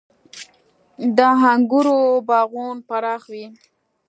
• د انګورو باغونه پراخ وي.